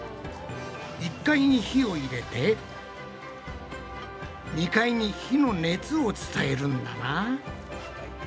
１階に火を入れて２階に火の熱を伝えるんだな。